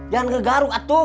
jangan ngegaruk atuh